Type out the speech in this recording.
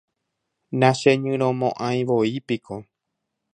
nacheñyrõmo'ãivoi piko